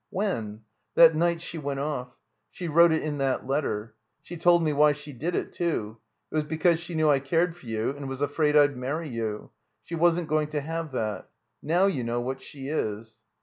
"When?" "That night she went off. She wrote it in that letter. She told me why she did it, too. It was because she knew I cared for you and was afraid I'd marry you. She wasn't going to have that. Now you know what she is."